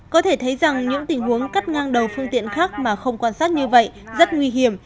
có thể thấy rằng những tình huống cắt ngang đầu phương tiện khác mà không quan sát như vậy rất nguy hiểm